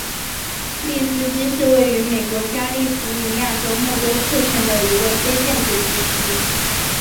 利斯基是位于美国加利福尼亚州莫多克县的一个非建制地区。